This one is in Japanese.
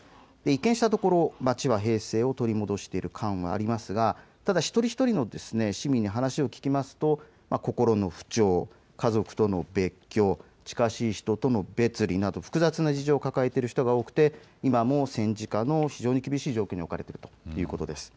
一見したところ街は平静を取り戻している感はありますがただ一人一人の市民に話を聞くと心の不調、家族との別居、近しい人との別離など複雑な事情を抱えている人が多く、今も戦時下の非常に厳しい状況に置かれているということです。